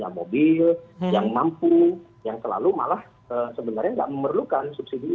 yang mampu yang terlalu malah sebenarnya nggak memerlukan subsidi itu